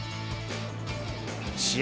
試合